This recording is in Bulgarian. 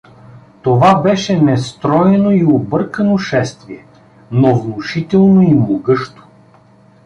Това беше нестройно и объркано шествие, но внушително и могъщо.